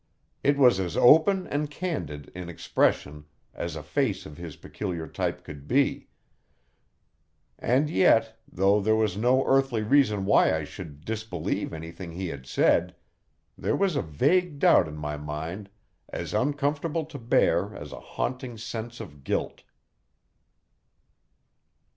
It was as open and candid in expression as a face of his peculiar type could be, and yet, though there was no earthly reason why I should disbelieve anything he had said, there was a vague doubt in my mind as uncomfortable to bear as a haunting sense of guilt.